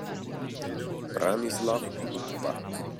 Branislav Ľupták